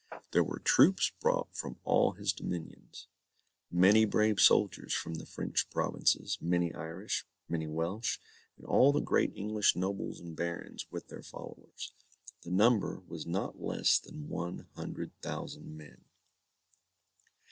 There were troops brought from all his dominions, many brave soldiers from the French provinces, many Irish, many Welsh, and all the great English nobles and barons, with their followers. The number was not less than one hundred thousand men.